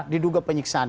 diduga penyiksaan ya